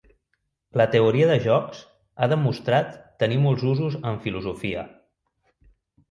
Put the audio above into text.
La teoria de jocs ha demostrat tenir molts usos en filosofia.